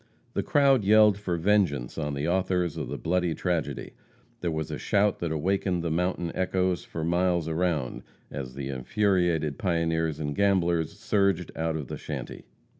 The crowd yelled for vengeance on the authors of the bloody tragedy. There was a shout that awakened the mountain echoes for miles around, as the infuriated pioneers and gamblers surged out of the shanty.